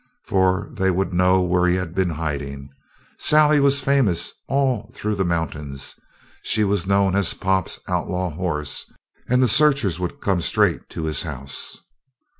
For they would know where he had been hiding. Sally was famous all through the mountains; she was known as Pop's outlaw horse, and the searchers would come straight to his house.